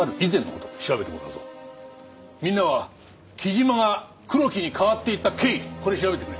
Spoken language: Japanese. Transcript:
みんなは木島が黒木に変わっていった経緯これ調べてくれ。